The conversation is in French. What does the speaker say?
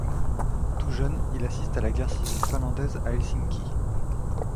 Tout jeune, il assiste à la guerre civile finlandaise à Helsinki.